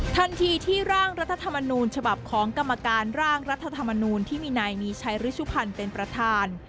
ทันทีที่ร่างรัฐธรรมนูญฉบับของกรรมการร่างรัฐธรรมนูลที่มีนายมีชัยฤชุพันธ์เป็นประธาน